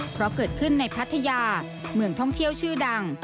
เพราะเกิดขึ้นในพัทยาเมืองท่องเที่ยวชื่อดัง